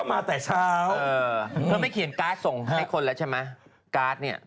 มาแต่เช้าเธอไม่เขียนการ์ดส่งให้คนแล้วใช่ไหมการ์ดเนี่ย